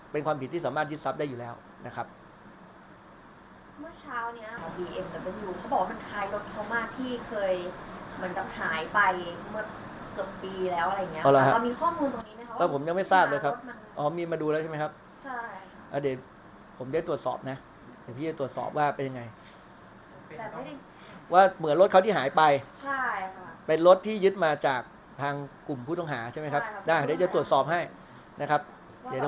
เกือบปีแล้วอะไรอย่างเงี้ยอ๋อหรอครับมีข้อมูลตรงนี้นะครับก็ผมยังไม่ทราบเลยครับอ๋อมีมาดูแล้วใช่มั้ยครับใช่ครับอ่าเดี๋ยวผมได้ตรวจสอบนะเดี๋ยวพี่จะตรวจสอบว่าเป็นยังไงว่าเหมือนรถเขาที่หายไปใช่ครับเป็นรถที่ยึดมาจากทางกลุ่มผู้ต้องหาใช่มั้ยครับได้ครับได้เดี๋ยวตรวจสอบให้นะครับเดี๋ยว